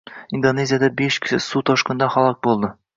Indoneziyada besh kishi suv toshqinidan halok bo‘lding